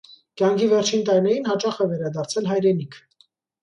Կյանքի վերջին տարիներին հաճախ է վերադարձել հայրենիք։